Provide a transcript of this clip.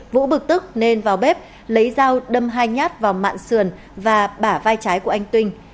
vũ bực tức nên vào bếp lấy dao đâm hai nhát vào mạng sườn và bả vai trái của anh tuyên